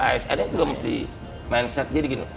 asn nya juga harus di mindset jadi gitu